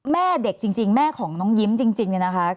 แม่เด็กจริงแม่ของน้องยิ้มจริงเนี่ยนะคะ